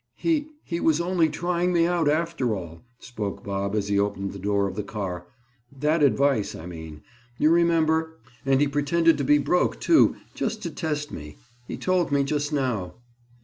"He—he was only trying me out, after all," spoke Bob as he opened the door of the car. "That advice, I mean. You remember? And he pretended to be broke, too, just to test me. He told me just now."